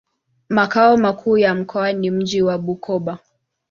Makao makuu ya mkoa ni mji wa Bukoba.